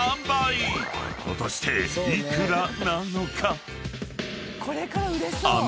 ［果たして幾らなのか？］